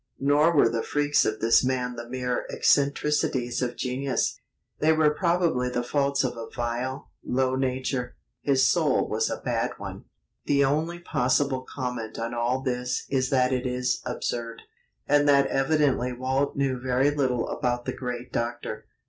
Nor were the freaks of this man the mere "eccentricities of genius"; they were probably the faults of a vile, low nature. His soul was a bad one. The only possible comment on all this is that it is absurd, and that evidently Walt knew very little about the great Doctor.